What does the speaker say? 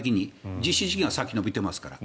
実施時期が先に延びてますから。